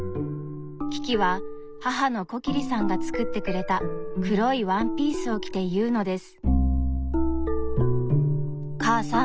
キキは母のコキリさんが作ってくれた黒いワンピースを着て言うのです。